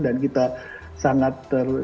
dan kita sangat